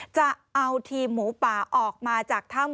จะเอาทีมหมูป่าออกมาจากถ้ำ